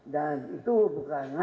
dan itu bukan